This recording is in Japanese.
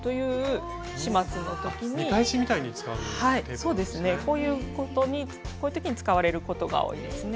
そうですねこういう時に使われることが多いですね。